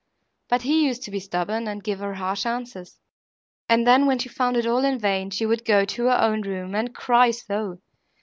But he used to be stubborn, and give her harsh answers, and then, when she found it all in vain, she would go to her own room, and cry so!